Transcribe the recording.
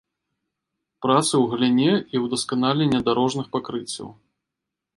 Працы ў галіне і ўдасканалення дарожных пакрыццяў.